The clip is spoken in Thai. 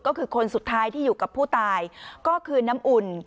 ก็คือคนสุดท้ายที่อยู่กับผู้ตายก็คือน้ำอุ่น